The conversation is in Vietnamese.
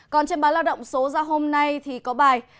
còn trên báo lao động số ra hôm nay thì có bài